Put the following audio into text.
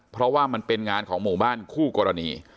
เพราะว่ามันเป็นงานของหมู่บ้านคู่กรณี